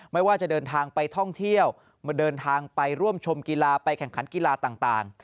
ไม่ว่าจะเดินทางไปท่องเที่ยวมาเดินทางไปร่วมชมกีฬาไปแข่งขันกีฬาต่าง